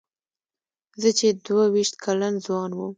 زه چې دوه وېشت کلن ځوان وم.